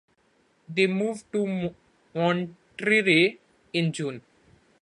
They moved to Monterey in June.